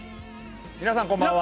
皆さんこんばんは。